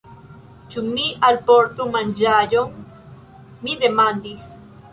Ĉu mi alportu manĝaĵon? mi demandis.